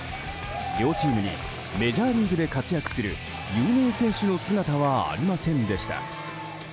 両チームにメジャーリーグで活躍する有名選手の姿はありませんでした。